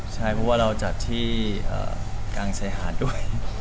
เพราะว่าเราก็จัดที่กลางเศรษฐ์ด้วย